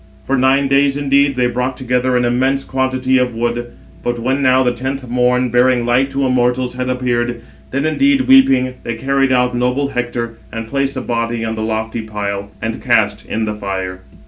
For nine days indeed they brought together an immense quantity of wood; but when now the tenth morn, bearing light to mortals, had appeared, then indeed, weeping, they carried out noble Hector, and placed the body on the lofty pile, and cast in the fire.